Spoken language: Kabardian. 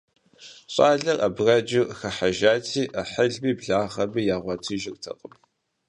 ЩӀалэр абрэджу хыхьэжати, Ӏыхьлыми благъэми ягъуэтыжыртэкъым.